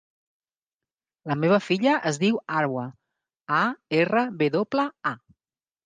La meva filla es diu Arwa: a, erra, ve doble, a.